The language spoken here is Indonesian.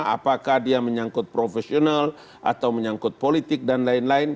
apakah dia menyangkut profesional atau menyangkut politik dan lain lain